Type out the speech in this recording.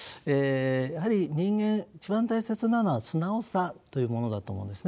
やはり人間一番大切なのは素直さというものだと思うんですね。